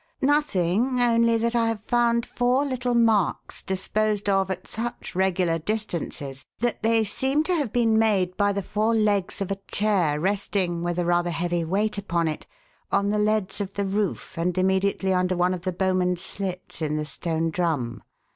"Nothing, only that I have found four little marks disposed of at such regular distances that they seem to have been made by the four legs of a chair resting, with a rather heavy weight upon it, on the leads of the roof and immediately under one of the bowman's slits in the Stone Drum.